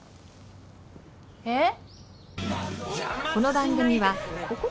えっ？